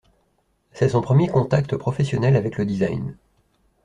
C’est son premier contact professionnel avec le design.